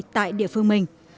tại địa phương mình